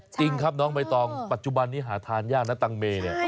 จริงครับน้องใบตองปัจจุบันนี้หาทานยากนะตังเมเนี่ย